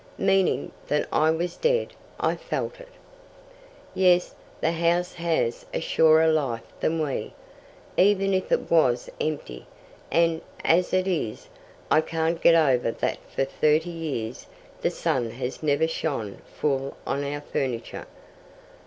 "Meaning that I was dead. I felt it." "Yes, the house has a surer life than we, even if it was empty, and, as it is, I can't get over that for thirty years the sun has never shone full on our furniture.